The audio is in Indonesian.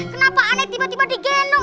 kenapa aneh tiba tiba digendong